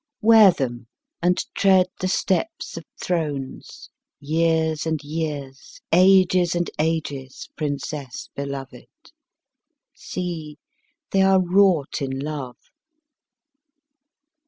Wear them and tread the steps of thrones, years and years, ages and ages, Princess, beloved! See, they are wrought in love."